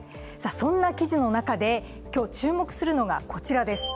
そんな記事の中で今日注目するのがこちらです。